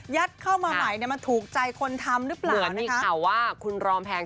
เข้ามาใหม่เนี่ยมันถูกใจคนทำหรือเปล่าเหมือนมีข่าวว่าคุณรอมแพง